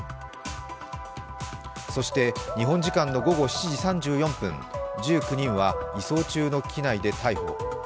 そして、日本時間の午後７時３４分１９人は移送中の機内で逮捕。